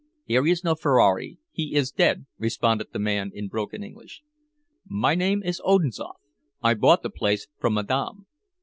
"There is no Ferrari, he is dead," responded the man in broken English. "My name is Odinzoff. I bought the place from madame."